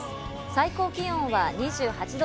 最高気温は２８度